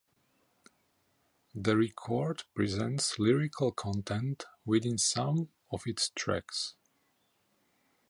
The record presents lyrical content within some of its tracks.